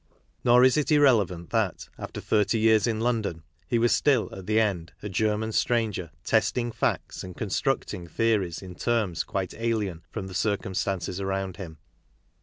Nor is it irrelevant that, after thirty years in London, he was still, at the end, a Ger man stranger testing facts and constructing theories in terms quite alien from the circumstances around him.